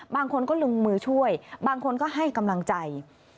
บางคนก็ลงมือช่วยบางคนก็ให้กำลังใจ